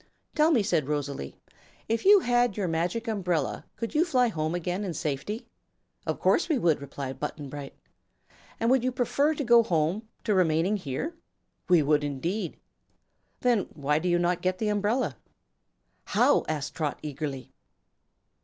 "Tell me," said Rosalie; "if you had your Magic Umbrella, could you fly home again in safety?" "Of course we could," replied Button Bright. "And would you prefer to go home to remaining here?" "We would, indeed!" "Then why do you not get the umbrella?" "How?" asked Trot, eagerly.